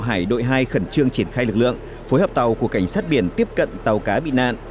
hải đội hai khẩn trương triển khai lực lượng phối hợp tàu của cảnh sát biển tiếp cận tàu cá bị nạn